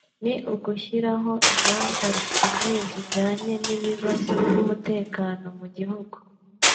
ni ugushyiraho ingamba zikomeye zijyanye n’ibibazo by’umutekano mu gihugu